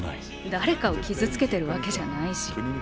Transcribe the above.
誰かを傷つけてるわけじゃないし。